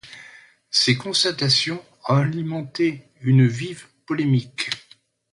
Ces constatations ont alimenté une vive polémique.